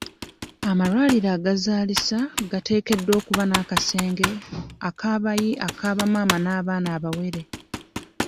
Amalwaliro agazaalisa gateekeddwa okuba n'akasenge ak'abayi aka bamaama n'abaana abawere.